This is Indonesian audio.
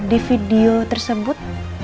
di video tersebut